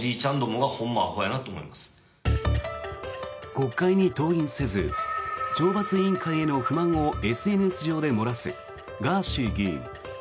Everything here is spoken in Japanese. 国会に登院せず懲罰委員会への不満をＳＮＳ上で漏らすガーシー議員。